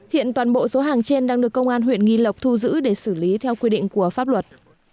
hiện toàn bộ số hàng trên đang được công an huyện nghi lộc thu giữ để xử lý theo quy định của pháp luật